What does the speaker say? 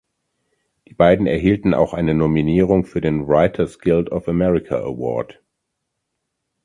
Die beiden erhielten auch eine Nominierung für den Writers Guild of America Award.